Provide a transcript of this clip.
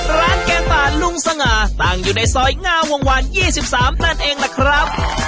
แกงป่าลุงสง่าตั้งอยู่ในซอยงามวงวาน๒๓นั่นเองล่ะครับ